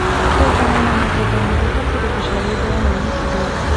د افغانانو نڅاګانې د خلکو د خوشحالۍ بیانوونکې دي